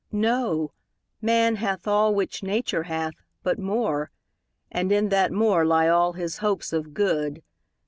Know, man hath all which Nature hath, but more, And in that more lie all his hopes of good.